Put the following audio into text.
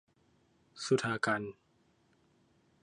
สุธากัญจน์